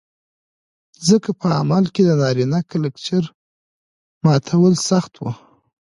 ځکه په عمل کې د نارينه کلچر ماتول سخت و